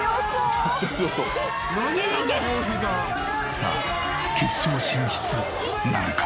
さあ決勝進出なるか？